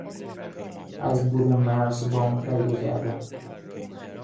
از برونمرز وام تهیه کردن